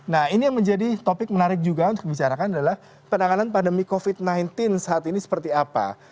nah ini yang menjadi topik menarik juga untuk dibicarakan adalah penanganan pandemi covid sembilan belas saat ini seperti apa